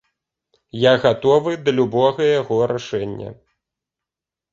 Я гатовы да любога яго рашэння.